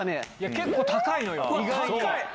結構高いのよ。